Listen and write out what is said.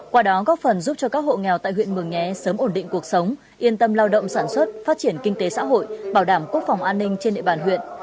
qua đó góp phần giúp cho các hộ nghèo tại huyện mường nhé sớm ổn định cuộc sống yên tâm lao động sản xuất phát triển kinh tế xã hội bảo đảm quốc phòng an ninh trên địa bàn huyện